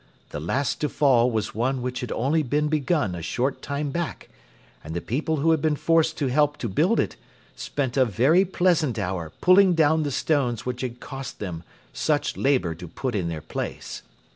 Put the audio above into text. The last to fall was one which had only been begun a short time back, and the people who had been forced to help to build it spent a very pleasant hour pulling down the stones which had cost them such labour to put in their place.